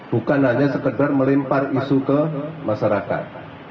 bukan hanya sekedar melempar isu ke masyarakat